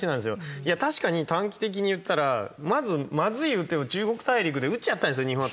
いや確かに短期的に言ったらまずまずい手を中国大陸で打っちゃったんですよ日本は。